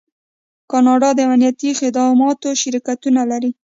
کاناډا د امنیتي خدماتو شرکتونه لري.